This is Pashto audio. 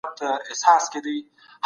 ملتونه د مظلومانو د دفاع لپاره څه لیکي؟